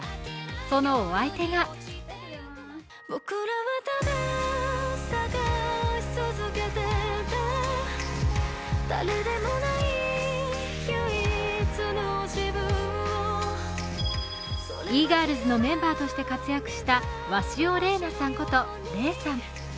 そのお相手がＥ−ｇｉｒｌｓのメンバーとして活躍した鷲尾伶菜さんこと伶さん。